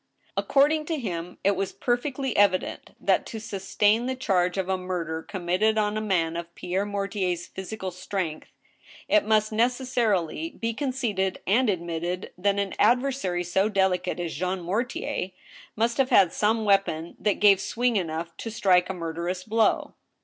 According to him, it was perfectly evident that, to sustain the charge of a murder committed on a man of Pierre Mortier's physi cal strength, it must necessarily be conceded and admitted that an adversary so delicate as Jean Mortier must have had some weapon that gave swing enough to strike a murderous blow.